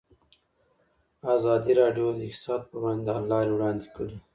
ازادي راډیو د اقتصاد پر وړاندې د حل لارې وړاندې کړي.